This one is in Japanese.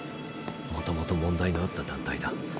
もともと問題のあった団体だ。